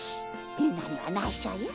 みんなにはないしょよ。